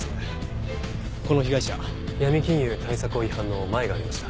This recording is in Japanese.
この被害者ヤミ金融対策法違反のマエがありました。